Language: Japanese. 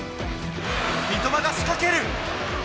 三笘が仕掛ける。